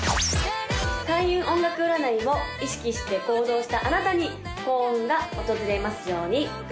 開運音楽占いを意識して行動したあなたに幸運が訪れますように！